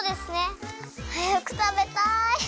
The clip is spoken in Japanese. はやくたべたい！